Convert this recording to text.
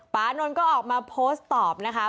ปานนท์ก็ออกมาโพสต์ตอบนะคะ